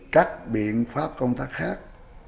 các biện pháp công tác khác